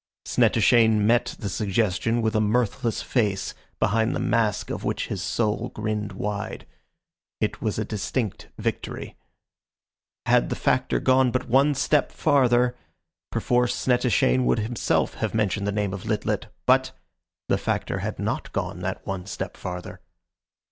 Snettishane met the suggestion with a mirthless face, behind the mask of which his soul grinned wide. It was a distinct victory. Had the Factor gone but one step farther, perforce Snettishane would himself have mentioned the name of Lit lit, but the Factor had not gone that one step farther.